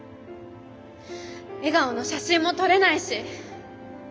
笑顔の写真も撮れないし。